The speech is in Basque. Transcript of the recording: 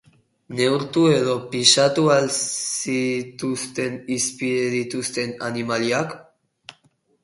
Neurtu edo pisatu al zituzten hizpide dituzten animaliak?